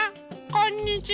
こんにちは。